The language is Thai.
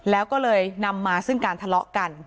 แล้วก็เลยนำมาซึ่งการทะเลาะกัน